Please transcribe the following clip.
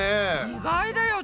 意外だよ。